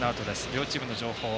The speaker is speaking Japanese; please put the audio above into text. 両チームの情報